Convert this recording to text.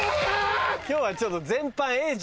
今日はちょっと全般。